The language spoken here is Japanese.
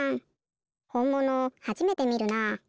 ほんものはじめてみるなあ。